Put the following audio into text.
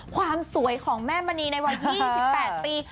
ความสวยของแม่มณีในวัย๒๘ปี